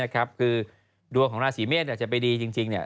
คือดวงของราศีเมษจะไปดีจริง